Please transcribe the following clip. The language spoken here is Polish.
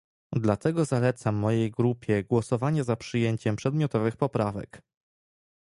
Dlatego zalecam mojej grupie głosowanie za przyjęciem przedmiotowych poprawek